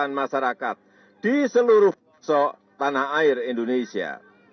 dan seluruh lapisan masyarakat di seluruh tanah air indonesia